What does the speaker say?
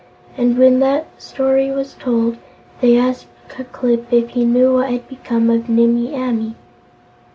And when the story was told, they asked Ku Klip if he knew what had become of Nimmie Amee.